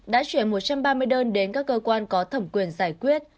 đã chuyển một trăm ba mươi đơn đến các cơ quan có thẩm quyền giải quyết